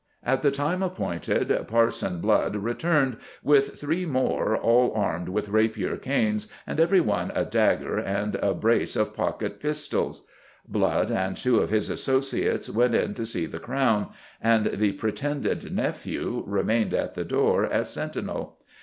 At the time appointed, Parson Blood returned "with three more, all armed with rapier canes and every one a dagger and a brace of pocket pistols." Blood and two of his associates "went in to see the crown," and the pretended "nephew" remained at the door as sentinel.